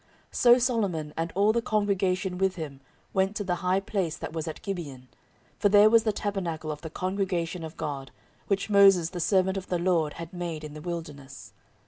14:001:003 So Solomon, and all the congregation with him, went to the high place that was at Gibeon; for there was the tabernacle of the congregation of God, which Moses the servant of the LORD had made in the wilderness.